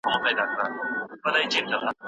ته به تر څو کوې دا خوب، زه به تر څو یم روان